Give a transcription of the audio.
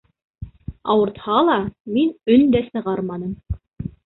Ауыртһа ла, мин өн дә сығарманым.